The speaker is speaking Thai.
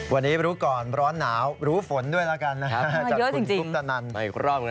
วันนี้รู้ก่อนร้อนหนาวรู้ฝนด้วยละกันครับเยอะจริงจริงจากคุณกบตนัน